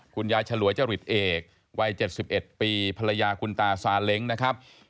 คุณยายฉลวยเจ้าหลีดเอกวัย๗๑ปีภรรยาคุณตาซาเล้งนะครับ